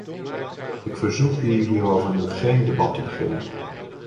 Ik verzoek u hierover nu geen debat te beginnen.